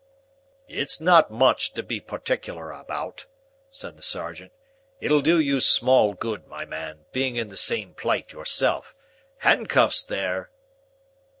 "It's not much to be particular about," said the sergeant; "it'll do you small good, my man, being in the same plight yourself. Handcuffs there!"